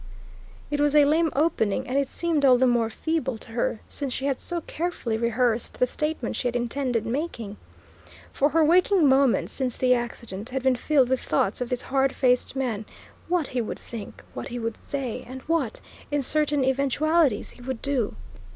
It was a lame opening, and it seemed all the more feeble to her since she had so carefully rehearsed the statement she had intended making. For her waking moments, since the accident, had been filled with thoughts of this hard faced man, what he would think, what he would say, and what, in certain eventualities, he would do.